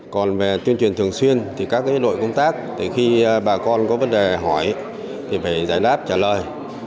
còn về tuyên truyền thường xuyên thì các đội công tác khi bà con có vấn đề hỏi thì phải giải đáp trả lời